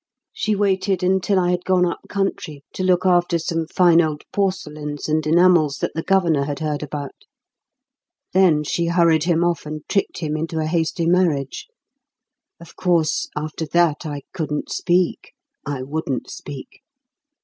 She waited until I had gone up country to look after some fine old porcelains and enamels that the governor had heard about; then she hurried him off and tricked him into a hasty marriage. Of course, after that I couldn't speak I wouldn't speak.